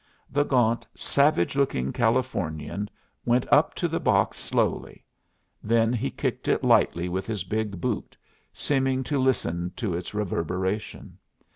The gaunt, savage looking Californian went up to the box slowly. Then he kicked it lightly with his big boot, seeming to listen to its reverberation.